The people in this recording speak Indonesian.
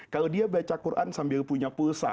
kalau dia baca quran sambil punya pulsa